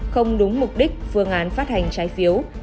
không đúng mục đích phương án phát hành trái phiếu